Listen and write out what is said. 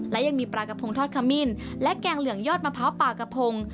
และยังมีปลากระพงทอดขมิ้นและแกงเหลืองยอดมะพร้าวปลากระพง